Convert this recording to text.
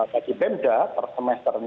bagi pmk per semester